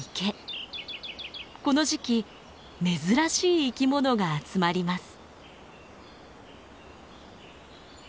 この時期珍しい生き物が集まります。